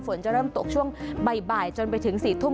ฝนจะเริ่มตกช่วงบ่ายจนไปถึง๔ทุ่ม